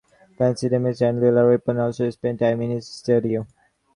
Vasilii Dmitrievich and Ilya Repin also spent time in his studio.